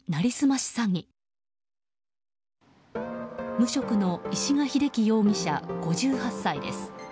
無職の石賀英規容疑者５８歳です。